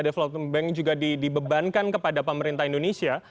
development bank juga dibebankan kepada pemerintah indonesia